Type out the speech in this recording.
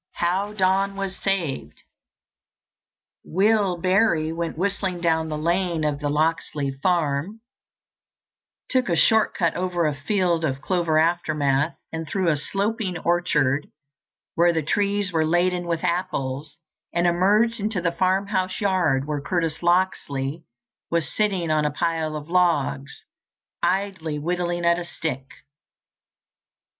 How Don Was SavedToC Will Barrie went whistling down the lane of the Locksley farm, took a short cut over a field of clover aftermath and through a sloping orchard where the trees were laden with apples, and emerged into the farmhouse yard where Curtis Locksley was sitting on a pile of logs, idly whittling at a stick.